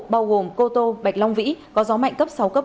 bao gồm cô tô bạch long vĩ có gió mạnh cấp sáu cấp bảy